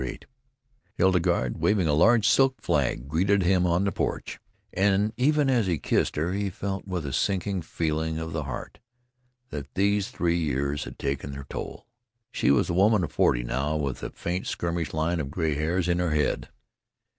VIII Hildegarde, waving a large silk flag, greeted him on the porch, and even as he kissed her he felt with a sinking of the heart that these three years had taken their toll. She was a woman of forty now, with a faint skirmish line of gray hairs in her head.